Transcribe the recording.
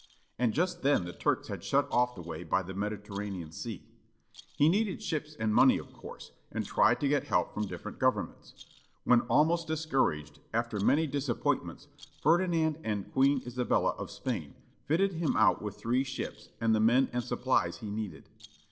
And just then the Turks had shut off the way by the Mediterranean Sea. He needed ships and money of course, and tried to get help from different govern ments. When almost discouraged, after many disappointments, Ferdinand and Queen Isabella of Spain fitted him out with three ships, and the men and supplies he needed.